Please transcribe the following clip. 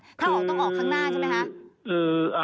ถ้าออกต้องออกข้างหน้าใช่ไหมคะ